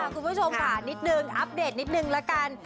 คุณผู้ชมค่ะนิดนึงอัปเดตนิดนึงละกัน